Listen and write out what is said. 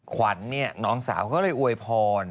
ขวัญเนี่ยน้องสาวก็เลยอวยพร